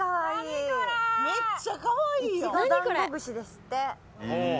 めっちゃかわいいやん！